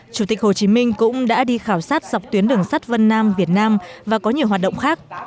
chủ tịch hồ chí minh cũng đã đi khảo sát dọc tuyến đường sắt vân nam việt nam và có nhiều hoạt động khác